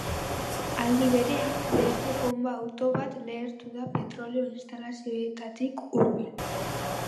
Aldi berean, beste bonba-auto bat lehertu da petrolio instalazioetatik hurbil.